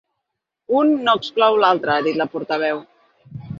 Un no exclou l’altre, ha dit la portaveu.